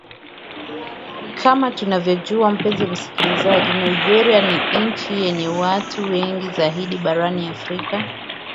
kama tunavyojua mpenzi msikilizaji nigeria ni nchi yenye watu wengi zaidi barani afrika